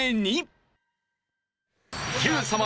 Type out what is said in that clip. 『Ｑさま！！』